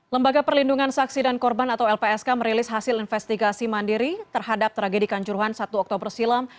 lembaga perlindungan saksi dan korban atau lpsk merilis hasil investigasi mandiri terhadap tragedi kanjuruhan satu oktober silam